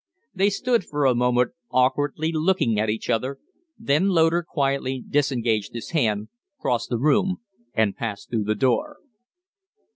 They stood for a moment, awkwardly looking at each other, then Loder quietly disengaged his hand, crossed the room, and passed through the door.